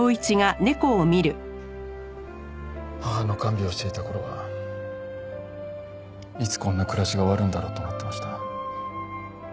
母の看病をしていた頃はいつこんな暮らしが終わるんだろうと思ってました。